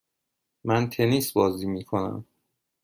من تنیس بازی میکنم.